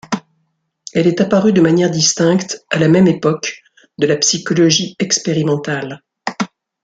Elle est apparue de manière distincte, à la même époque, de la psychologie expérimentale.